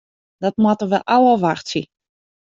Dat moatte we ôfwachtsje.